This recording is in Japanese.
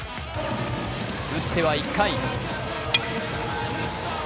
打っては１回。